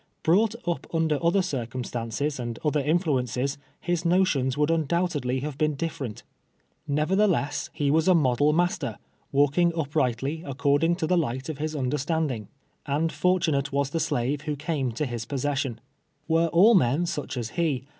Brought lip under other cii'cumstances and other iniluences, his notions would undoubtedly have been diflerent. Kevertheless, he was a model master, walking up rightly, according to the light of his understanding, and fortunate was the slave who came to liis posses sion. "Were all men such as he.